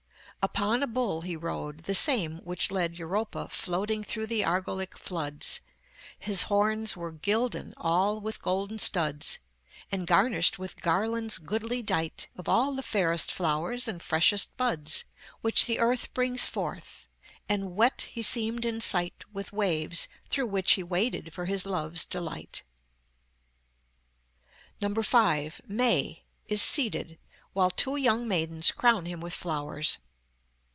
"Upon a Bull he rode, the same which led Europa floting through the Argolick fluds: His horns were gilden all with golden studs, And garnished with garlonds goodly dight Of all the fairest flowres and freshest buds Which th' earth brings forth; and wet he seemed in sight With waves, through which he waded for his love's delight." 5. MAY _is seated, while two young maidens crown him with flowers.